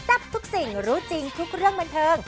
ทับทุกสิ่งรู้จริงทุกเรื่องบันเทิง